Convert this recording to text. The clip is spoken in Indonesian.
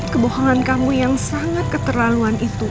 kebohongan kamu yang sangat keterlaluan itu